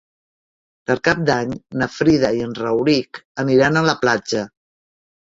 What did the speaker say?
Per Cap d'Any na Frida i en Rauric aniran a la platja.